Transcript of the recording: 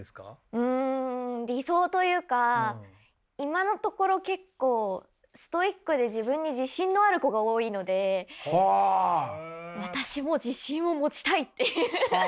うん理想というか今のところ結構ストイックで自分に自信のある子が多いので私も自信を持ちたいっていう。